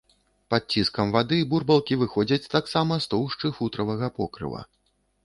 Пад ціскам вады бурбалкі выходзяць таксама з тоўшчы футравага покрыва.